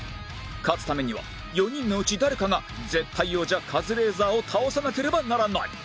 勝つためには４人のうち誰かが絶対王者カズレーザーを倒さなければならない